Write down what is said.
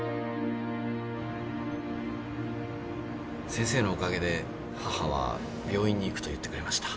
先生のおかげで母は病院に行くと言ってくれました。